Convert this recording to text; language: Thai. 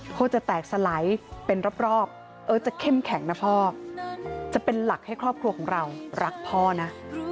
โทษจะแตกสลายเป็นรอบเออจะเข้มแข็งนะพ่อจะเป็นหลักให้ครอบครัวของเรารักพ่อนะ